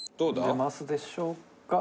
出ますでしょうか？